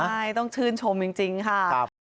ใช่ต้องชื่นชมจริงค่ะ